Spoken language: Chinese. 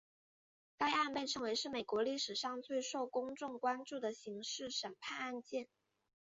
该案被称为是美国历史上最受公众关注的刑事审判案件。